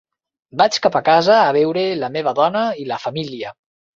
Vaig cap a casa a veure la meva dona i la família.